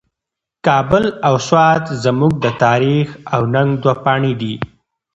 کابل او سوات زموږ د تاریخ او ننګ دوه پاڼې دي.